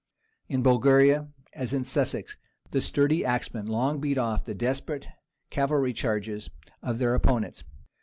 In Bulgaria, as in Sussex, the sturdy axeman long beat off the desperate cavalry charges of their opponents.